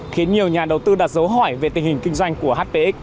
khiến nhiều nhà đầu tư đã dấu hỏi về tình hình kinh doanh